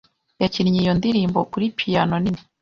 Yakinnye iyo ndirimbo kuri piyano nini.